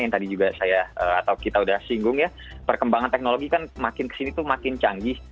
yang tadi juga saya atau kita sudah singgung ya perkembangan teknologi kan makin kesini tuh makin canggih